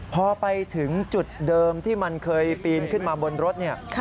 พอไปถึงจุดเดิมที่มันเคยปีนขึ้นมาบนรถเนี่ย